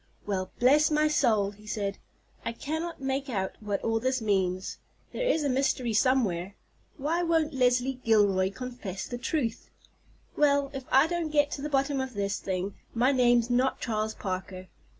"Well, bless my soul!" he said; "I cannot make out what all this means. There is a mystery somewhere. Why won't Leslie Gilroy confess the truth? Well, if I don't get to the bottom of this thing my name's not Charles Parker.